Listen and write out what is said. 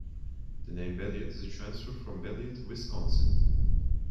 The name Beloit is a transfer from Beloit, Wisconsin.